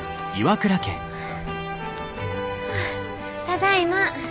ただいま。